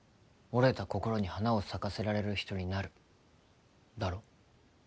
折れた心に花を咲かせられる人になるだろ？